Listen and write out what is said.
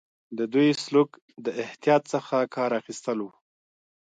د دوی سلوک د احتیاط څخه کار اخیستل وو.